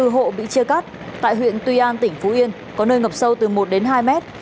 bốn bảy trăm linh bốn hộ bị chia cắt tại huyện tuy an tỉnh phú yên có nơi ngập sâu từ một đến hai mét